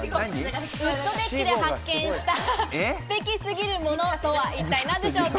ウッドデッキで発見したステキ過ぎるものとは一体何でしょうか。